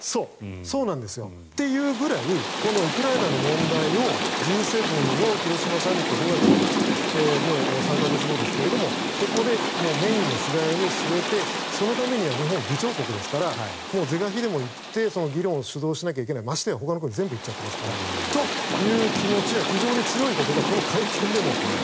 そうなんですよ。っていうぐらいこのウクライナの問題をＧ７の広島サミット５月、３か月後ですがここでメインの主題に据えてそのためには日本、議長国ですから是が非でも行って議論を主導しなきゃいけないましてやほかの国全部行っちゃってますからという気持ちが非常に強いことがこの会見でも。